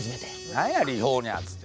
何やリフォーニャーズて。